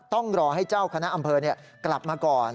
ต้องรอให้เจ้าคณะอำเภอกลับมาก่อน